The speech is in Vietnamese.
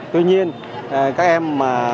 tuy nhiên các em